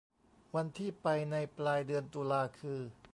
วันที่ไปในปลายเดือนตุลาคือ